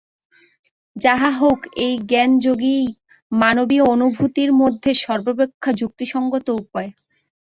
যাহা হউক, এই জ্ঞানযোগই মানবীয় অনুভূতির মধ্যে সর্বাপেক্ষা যুক্তিসঙ্গত উপায়।